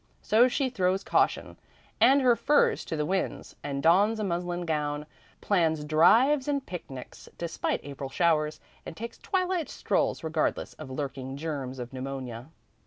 So she throws caution and her furs to the winds and dons a muslin gown, plans drives and picnics despite April showers, and takes twilight strolls regardless of lurking germs of pneumonia.